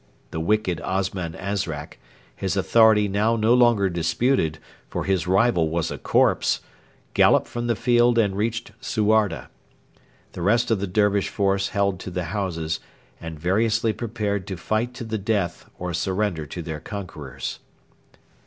The wicked Osman Azrak, his authority now no longer disputed, for his rival was a corpse, galloped from the field and reached Suarda. The rest of the Dervish force held to the houses, and variously prepared to fight to the death or surrender to their conquerors.